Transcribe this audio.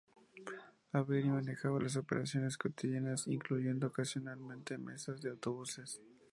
Avery manejaba las operaciones cotidianas, incluyendo ocasionalmente mesas de autobuses.